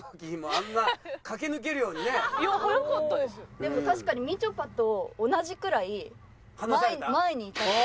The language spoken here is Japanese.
でも確かにみちょぱと同じくらい前にいた。